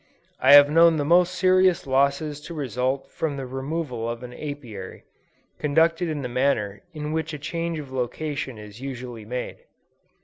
I have known the most serious losses to result from the removal of an Apiary, conducted in the manner in which a change of location is usually made.